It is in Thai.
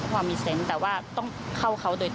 ครับมีค่ะแต่ไม่แรงเท่าไร